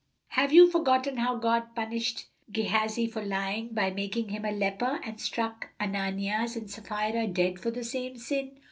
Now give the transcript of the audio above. "Have you forgotten how God punished Gehazi for lying by making him a leper, and struck Ananias and Sapphira dead for the same sin?